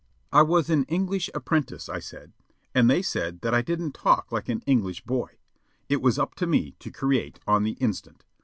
I was an English apprentice, I said. And they said that I didn't talk like an English boy. It was up to me to create on the instant.